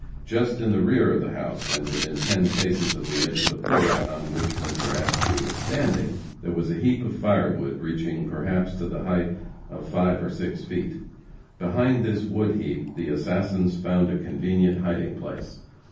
Just in the rear of the house, and within ten paces of the edge of the porch on which Mr. Askew was standing, there was a heap of firewood reaching perhaps to the height of five or six feet. Behind this wood heap the assassins found a convenient hiding place.